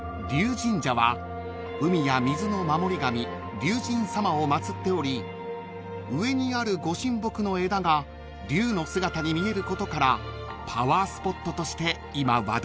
神社は海や水の守り神龍神様を祭っており上にあるご神木の枝が龍の姿に見えることからパワースポットとして今話題になっているんです］